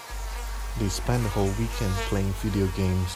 They spent the whole weekend playing video games.